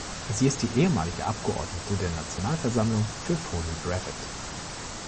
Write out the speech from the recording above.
Sie ist die ehemalige Abgeordnete der Nationalversammlung für Foni Brefet.